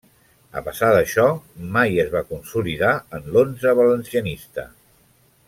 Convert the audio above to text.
A pesar d'això, mai es va consolidar en l'onze valencianista.